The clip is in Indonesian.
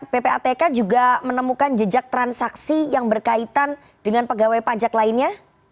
ppatk juga menemukan jejak transaksi yang berkaitan dengan pegawai pajak lainnya